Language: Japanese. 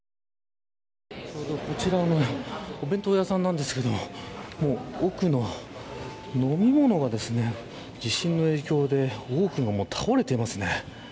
こちらお弁当屋さんなんですけど奥の飲み物が地震の影響で多くのものが倒れていますね。